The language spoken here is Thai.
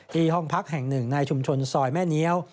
ห้องพักแห่งหนึ่งในชุมชนซอยแม่เงี้ยว